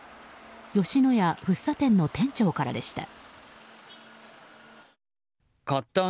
吉野家福生店の店長からでした。